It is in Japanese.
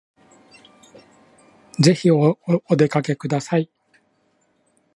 ぜひお出かけください